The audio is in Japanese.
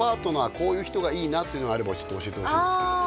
こういう人がいいなっていうのがあればちょっと教えてほしいんですけどあ